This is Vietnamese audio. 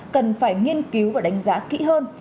cần phải nghiên cứu và đánh giá kỹ hơn